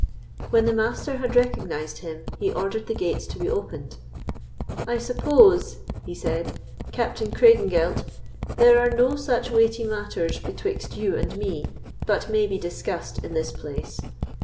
When the Master had recognised him, he ordered the gates to be opened. "I suppose," he said, "Captain Craigengelt, there are no such weighty matters betwixt you and me, but may be discussed in this place.